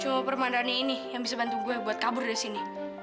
cuma permandannya ini yang bisa bantu gue buat kabur dari sini